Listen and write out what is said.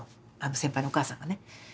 先輩のお母さんがね。